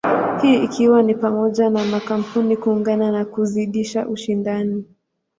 Hii ikiwa ni pamoja na makampuni kuungana na kuzidisha ushindani.